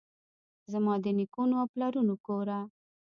زما دنیکونو اوپلرونو کوره!